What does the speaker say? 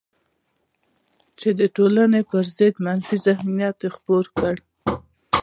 چې د ټولنې پر ضد منفي ذهنیت خپور کړي